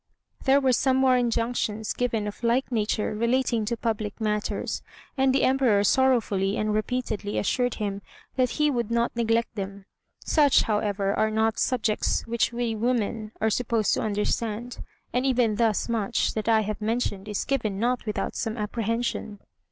There were some more injunctions given of like nature relating to public matters, and the Emperor sorrowfully and repeatedly assured him that he would not neglect them. Such, however, are not subjects which we women are supposed to understand, and even thus much that I have mentioned is given not without some apprehension.